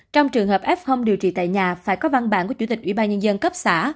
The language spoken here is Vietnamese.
trong trường hợp f điều trị tại nhà phải có văn bản của chủ tịch ủy ban nhân dân cấp xã